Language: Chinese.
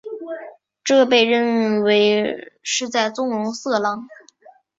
这被认为是在纵容色狼。